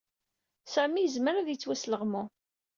Sami yezmer ad yettwasleɣmu.